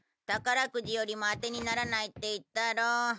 宝くじよりも当てにならないって言ったろ。